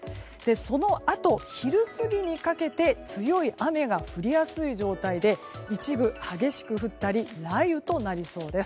そのあと昼過ぎにかけて強い雨が降りやすい状態で一部、激しく降ったり雷雨となりそうです。